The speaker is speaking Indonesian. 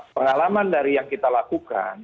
pengalaman dari yang kita lakukan